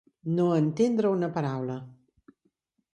No entendre una paraula.